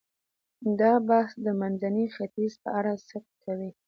دا بحث د منځني ختیځ په اړه صدق کوي.